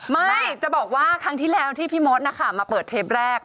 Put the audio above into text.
ไม่จะบอกว่าครั้งที่แล้วที่พี่มดนะคะมาเปิดเทปแรก